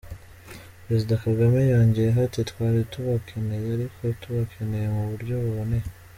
Perezida Kagame yongeyeho ati “Twari tubakeneye, ariko tubakeneye mu buryo buboneye.